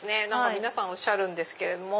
皆さんおっしゃるんですけども。